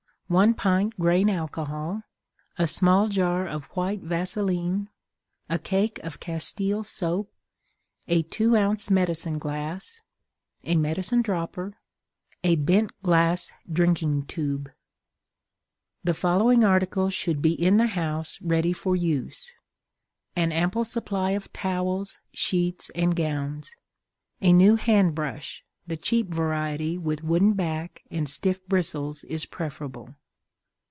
1 pint Grain Alcohol. A small jar of White Vaselin. A cake of Castile Soap. A two ounce Medicine Glass. A Medicine Dropper. A bent glass Drinking Tube. The following articles should be in the house, ready for use. An ample supply of Towels, Sheets, and Gowns. A new Hand Brush; the cheap variety with wooden back and stiff bristles is preferable.